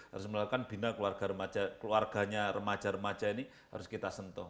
harus melakukan bina keluarga remaja keluarganya remaja remaja ini harus kita sentuh